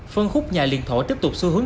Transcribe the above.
phân khúc nhà liên thổ tiếp tục xu hướng